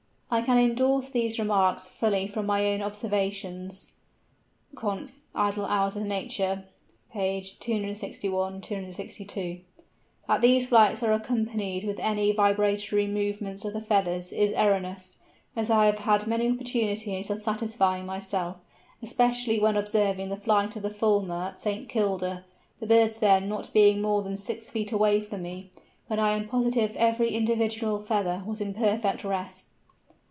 I can endorse these remarks fully from my own observations (Conf. Idle Hours with Nature, pp. 261, 262). That these flights are accompanied with any vibratory movements of the feathers is erroneous, as I have had many opportunities of satisfying myself, especially when observing the flight of the Fulmar at St. Kilda, the birds then not being more than six feet away from me, when I am positive every individual feather was in perfect rest.